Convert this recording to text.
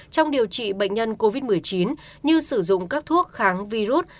trong điều trị bệnh nhân covid một mươi chín như sử dụng các thuốc kháng virus